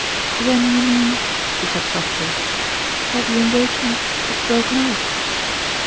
" Then you mean," she said softly, " that the engagement is broken off